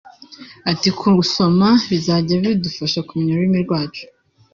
Ati "Gusoma bizajya bidufasha kumenya ururimi rwacu